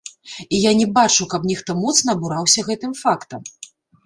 І я не бачыў, каб нехта моцна абураўся гэтым фактам!